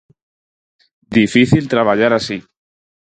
Difícil traballar así.